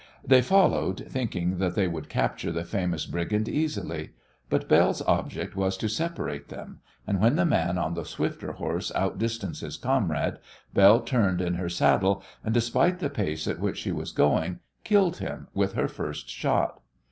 They followed, thinking that they could capture the famous brigand easily. But Belle's object was to separate them, and when the man on the swifter horse outdistanced his comrade Belle turned in her saddle and, despite the pace at which she was going, killed him with her first shot.